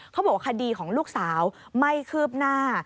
เขาบอกว่าคดีของลูกสาวไม่คืบหน้า